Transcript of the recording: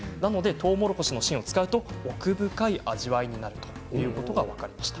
とうもろこしの芯を使うと奥深い味わいになるということが分かりました。